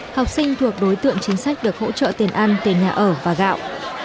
học sinh thuộc đối tượng chính sách được hỗ trợ tiền ăn tiền nhà ở và gạo